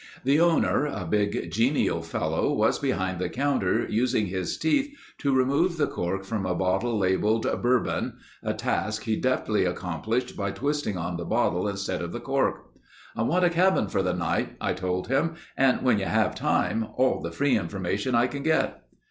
The owner, a big, genial fellow, was behind the counter using his teeth to remove the cork from a bottle labeled "Bourbon"—a task he deftly accomplished by twisting on the bottle instead of the cork. "I want a cabin for the night," I told him, "and when you have time, all the free information I can get."